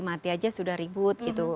mati aja sudah ribut gitu